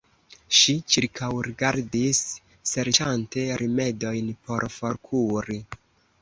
Ŝi ĉirkaŭrigardis, serĉante rimedojn por forkuri.